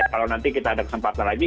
kalau nanti kita ada kesempatan lagi